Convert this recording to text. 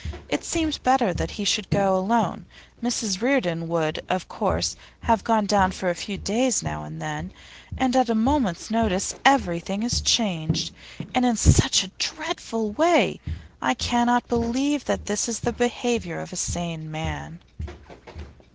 It seemed better that he should go alone; Mrs Reardon would, of course, have gone down for a few days now and then. And at a moment's notice everything is changed, and in such a dreadful way! I cannot believe that this is the behaviour of a sane man!